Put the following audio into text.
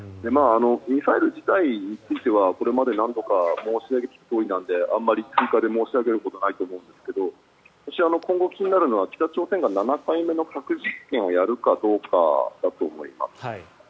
ミサイル自体についてはこれまで何度か申し上げているとおりなのであまり追加で申し上げることはないと思うんですが私は今後気になるのは北朝鮮が７回目の核実験をやるかどうかだと思います。